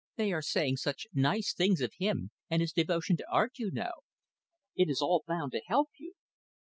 _ They are saying such nice things of him and his devotion to art, you know it is all bound to help you."